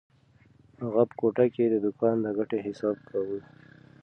اغا په کوټه کې د دوکان د ګټې حساب کاوه.